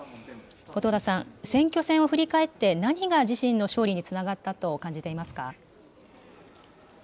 後藤田さん、選挙戦を振り返って、何が自身の勝利につながったと感じていますか。